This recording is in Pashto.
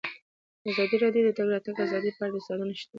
ازادي راډیو د د تګ راتګ ازادي په اړه د استادانو شننې خپرې کړي.